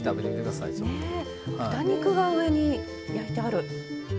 豚肉が上に焼いてある。